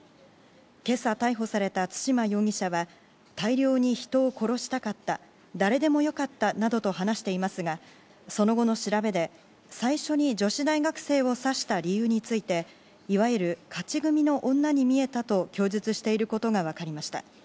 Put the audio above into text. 今朝逮捕された對馬容疑者は大量に人を殺したかった、誰でもよかったなどと話していますが、その後の調べで最初に女子大学を刺した理由について、いわゆる勝ち組の女に見えたと供述していることが分かりました。